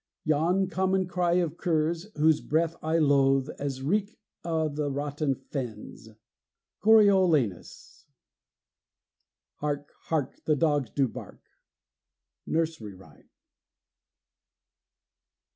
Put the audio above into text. Yon common cry of curs, whose breath I loathe As reek o' the rotten fens." CORIOLANUS. "Hark! hark! the dogs do bark." NURSERY RHYME.